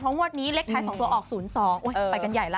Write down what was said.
เพราะว่านี้เล็กใคร๒ตัวออก๐๒ไปกันใหญ่ละ